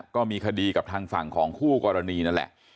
ก็มีคดีกับทางฝั่งของคู่กรณีนั่นแหละ